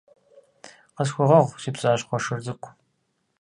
Къысхуэгъэгъу, си пцӀащхъуэ шыр цӀыкӀу.